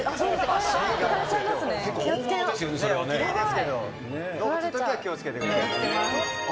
おきれいですけど、動物のときは気をつけてくださいね。